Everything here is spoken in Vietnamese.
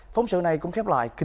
phóng sự này cũng khép lại